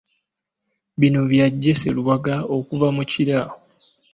Bino Bya Jesse Lwanga okuva mu Kira.